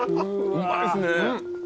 うまいっすね。